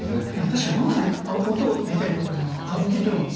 確かに動作に音を入れたりとかいうのは歌舞伎でも。